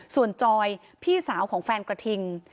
ส่วนจอยพี่สาวของแฟนกระทิง